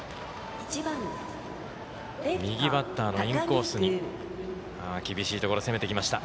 右バッターのインコースに厳しいところ攻めていきました。